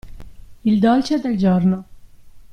Il dolce del giorno.